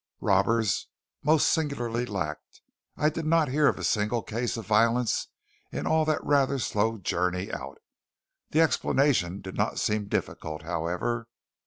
Robbers most singularly lacked. I did not hear of a single case of violence in all the rather slow journey out. The explanation did not seem difficult, however.